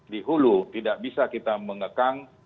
di hulu tidak bisa kita mengekang